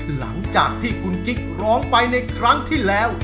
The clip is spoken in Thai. หลังจากที่คุณกิ๊กร้องไปในครั้งที่แล้ว